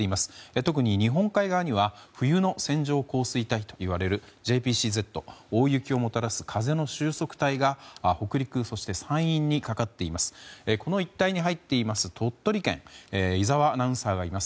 特に、日本海側には冬の線状降水帯と呼ばれるＪＰＣＺ大雪をもたらす風の収束帯が北陸、そして山陰にかかっていて鳥取県に井澤アナウンサーがいます。